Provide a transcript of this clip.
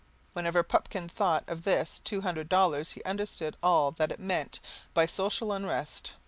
Whenever Pupkin thought of this two hundred dollars he understood all that it meant by social unrest.